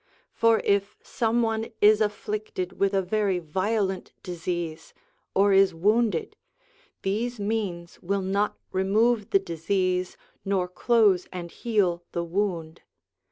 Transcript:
For if some one is afflicted with a very violent disease, or is wounded, these means will not remove the disease nor close and heal the wound.